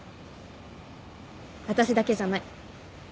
私だけじゃない。